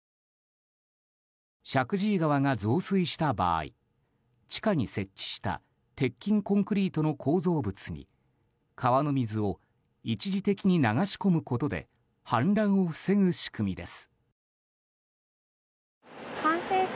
石神井川が増水した場合地下に設置した鉄筋コンクリートの構造物に川の水を一時的に流し込むことで氾濫を防ぐ仕組みです。